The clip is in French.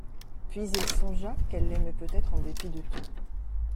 Puis il songea qu'elle l'aimait peut-être en dépit de tout.